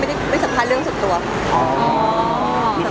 ว่าจะพูดอะไรกับเครื่องต่อไป